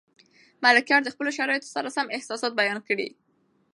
ملکیار د خپلو شرایطو سره سم احساسات بیان کړي.